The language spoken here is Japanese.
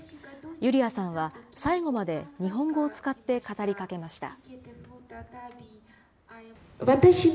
ユリヤさんは、最後まで日本語を使って語りかけました。